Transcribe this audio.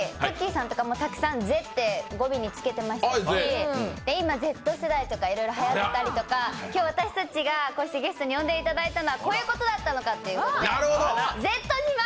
さんもたくさん語尾に「ぜ」とかつけてたので今、Ｚ世代とかいろいろはやっていたりとか、今日私たちがこうしてゲストに呼んでいただいたのはこういうことだったのかということで、Ｚ島！